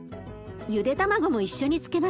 ゆで卵も一緒に漬けましょう。